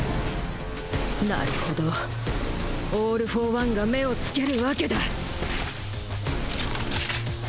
成程オール・フォー・ワンが目をつけるわけだ。